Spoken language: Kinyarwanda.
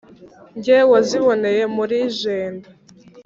Jye waziboneye muri Jenda,